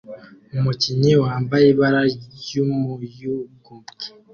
Umukinnyi wambaye ibara ry'umuyugubwe